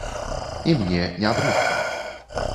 І мне не брыдка.